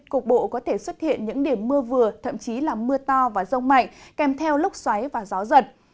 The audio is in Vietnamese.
cục bộ có thể xuất hiện những điểm mưa vừa thậm chí là mưa to và rông mạnh kèm theo lúc xoáy và gió giật